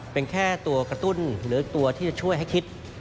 เป็นแค่ตัวกระตุ้นหรือตัวที่จะช่วยให้คิด